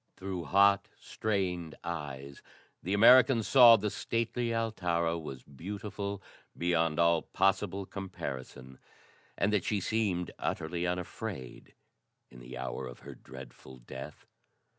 Through hot, strained eyes the American saw that the stately Altara was beautiful beyond all possible comparison, and that she seemed utterly unafraid in the hour of her dreadful death.